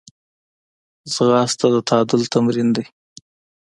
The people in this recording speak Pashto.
ځغاسته د تعادل تمرین دی